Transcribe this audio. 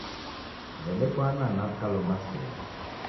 W'edekwana na w'ikalomba sere.